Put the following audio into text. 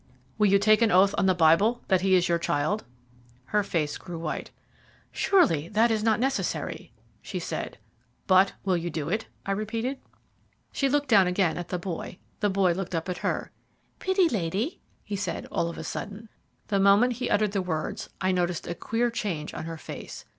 "Will you take an oath on the Bible that he is your child?" Her face grew white. "Surely that is not necessary," she said. "But will you do it?" I repeated. She looked down again at the boy. The boy looked up at her. "Pitty lady," he said, all of a sudden. The moment he uttered the words I noticed a queer change on her face.